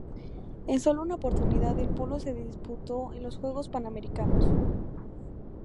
En solo una oportunidad el polo se disputó en los Juegos Panamericanos.